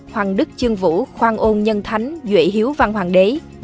hoàng đức chương vũ khoa ôn nhân thánh duệ hiếu văn hoàng đế